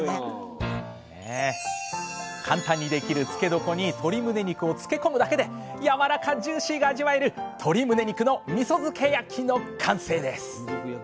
簡単にできる漬け床に鶏むね肉を漬け込むだけでやわらかジューシーが味わえる「鶏むね肉のみそ漬け焼き」の完成です！